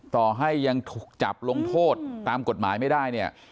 ต่อให้ยังถูกจับลงโทษตามกฎหมายไม่ได้เนี่ย